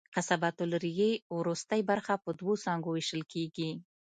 قصبة الریې وروستۍ برخه په دوو څانګو وېشل کېږي.